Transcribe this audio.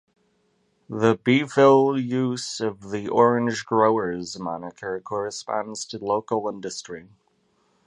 The Beeville use of the "Orange Growers" moniker corresponds to local industry.